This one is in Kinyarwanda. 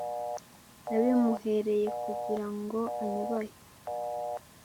nabimuhereye kugira ngo anyubahe